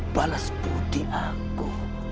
balas budi aku